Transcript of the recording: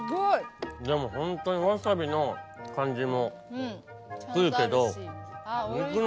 でもホントにわさびの感じもくるけど。